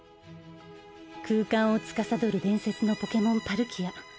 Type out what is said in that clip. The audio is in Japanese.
空間を司る伝説のポケモンパルキア。